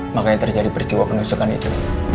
maka yang terjadi peristiwa penusukan itu